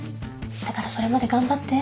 だからそれまで頑張って。